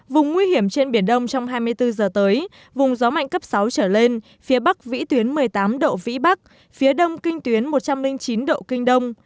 vùng nguy hiểm trên biển đông trong hai mươi bốn giờ tới vùng gió mạnh cấp sáu trở lên phía bắc vĩ tuyến một mươi tám độ vĩ bắc phía đông kinh tuyến một trăm linh chín độ kinh đông